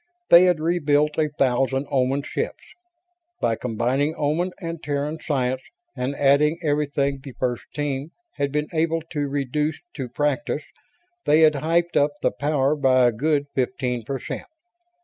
They had rebuilt a thousand Oman ships. By combining Oman and Terran science, and adding everything the First Team had been able to reduce to practise, they had hyped up the power by a good fifteen per cent.